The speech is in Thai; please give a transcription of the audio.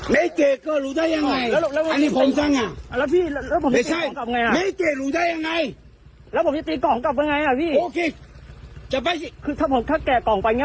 ยอกเริกจะรู้ได้ยังไงไม่เจอก้องล่ะ